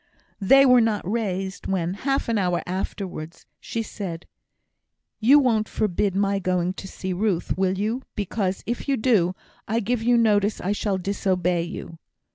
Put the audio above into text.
They were not raised when, half an hour afterwards, she said, "You won't forbid my going to see Ruth, will you? because if you do, I give you notice I shall disobey you."